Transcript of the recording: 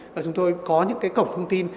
và chúng tôi có những cái cổng thông tin